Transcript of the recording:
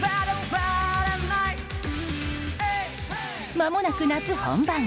まもなく夏本番。